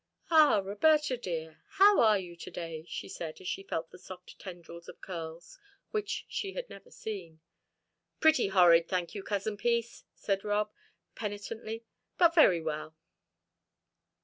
"Ah, Roberta dear, how are you to day?" she said, as she felt the soft tendrils of curls which she had never seen. "Pretty horrid, thank you, Cousin Peace," said Rob, penitently, "but very well."